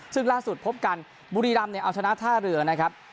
ซึ่งล่าสุดพบกันบุรีรำเนี่ยเอาชนะท่าเรือนะครับ